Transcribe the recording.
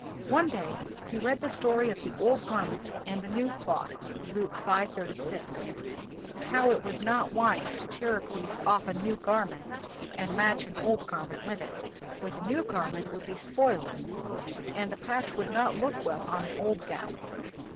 One day, he read the story of the old gar ment and the new cloth (Luke v. 36), how it was not wise to tear a piece off of a new garment and patch an old garment with it ; for the new garment would be spoiled and the patch would not look well on the old gown.